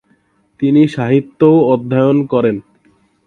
তিনি সাহিত্যও অধ্যয়ন করেন।